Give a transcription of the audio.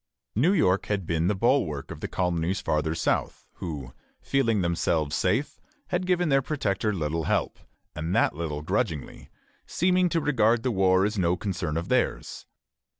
New York had been the bulwark of the colonies farther south, who, feeling themselves safe, had given their protector little help, and that little grudgingly, seeming to regard the war as no concern of theirs.